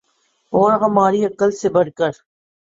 اور ہماری عقل سے بڑھ کر